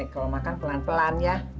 kalau makan pelan pelan ya